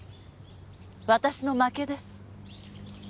私の負けです。